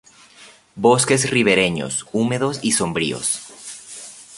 Bosques ribereños húmedos y sombríos.